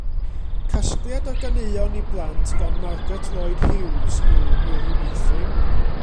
Casgliad o ganeuon i blant gan Margaret Lloyd Hughes yw Miri Meithrin.